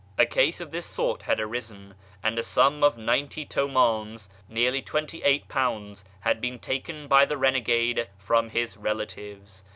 A case of this sort had arisen, and a sum of ninety Mmdns (nearly £28) had been taken by the renegade from his relatives.